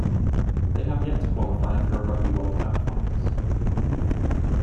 They have yet to qualify for a Rugby World Cup finals.